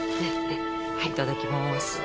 いただきます。